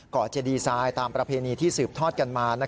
เจดีไซน์ตามประเพณีที่สืบทอดกันมา